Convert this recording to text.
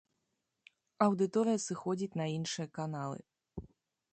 Аўдыторыя сыходзіць на іншыя каналы.